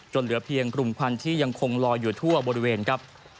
เหลือเพียงกลุ่มควันที่ยังคงลอยอยู่ทั่วบริเวณครับ